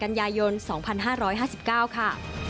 กันยายน๒๕๕๙ค่ะ